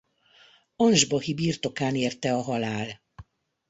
Ansbachi birtokán érte a halál.